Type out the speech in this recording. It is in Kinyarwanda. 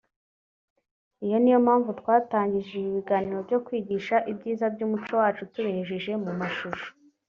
Iyo niyo mpanvu twatangije ibi biganiro byo kwigisha ibyiza by’umuco wacu tubinyujije mu mashusho”